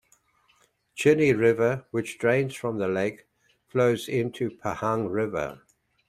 Chini River, which drains from the lake, flows into Pahang River.